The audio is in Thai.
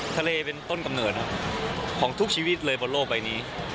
ทะเลเป็นต้นกำเนิดของทุกชีวิตเลยบนโลกใบนี้